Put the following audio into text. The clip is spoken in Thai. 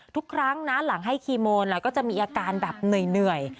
ทุกครั้งนะหลังให้คีโมนก็จะมีอาการแบบเหนื่อย